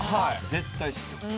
絶対知ってます。